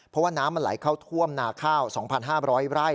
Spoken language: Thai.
เพราะว่าน้ำมันไหลเข้าท่วมนาข้าว๒๕๐๐ไร่